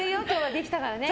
できたから。